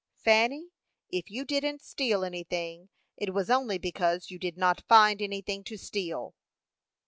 "Fanny, if you didn't steal anything, it was only because you did not find anything to steal."